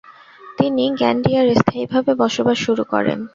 তিনি গ্যান্ডিয়ায় স্থায়ীভাবে বসবাস শুরু করেন।